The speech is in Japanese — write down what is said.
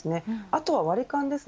あとは割り勘です。